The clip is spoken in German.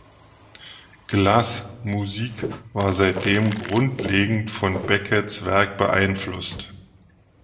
Glass' Musik war seitdem grundlegend von Becketts Werk beeinflusst.